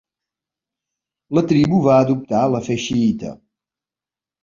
La tribu va adoptar la fe xiïta.